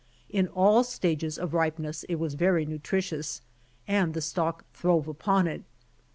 In all stages of ripe ness it was very nutritious, and the stock throve upon it.